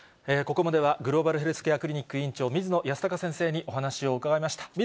ここまではグローバルヘルスケアクリニック院長、水野泰孝先生にお話を伺いました。